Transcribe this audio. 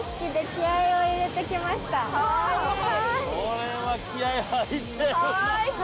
これは気合入ってるな。